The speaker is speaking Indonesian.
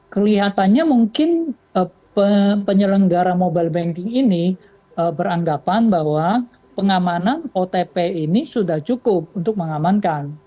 kelihatannya mungkin penyelenggara mobile banking ini beranggapan bahwa pengamanan otp ini sudah cukup untuk mengamankan